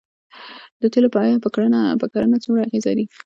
د تیلو بیه په کرنه څومره اغیز لري؟